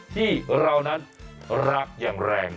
ที่เรานั้นรักอย่างแรง